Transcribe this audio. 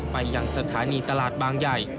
ไปยังสถานีตลาดบางใหญ่